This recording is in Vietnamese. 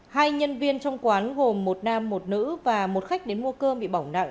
hai nhân viên trong quán gồm một nam một nữ và một khách đến mua cơm bị bỏng nặng